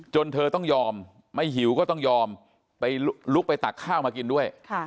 เธอต้องยอมไม่หิวก็ต้องยอมไปลุกไปตักข้าวมากินด้วย